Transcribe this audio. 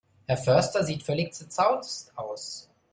Herr Förster sieht völlig zerzaust aus.